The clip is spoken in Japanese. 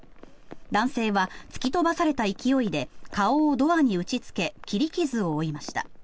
男性は突き飛ばされた勢いで顔をドアに打ちつけ切り傷を負いました。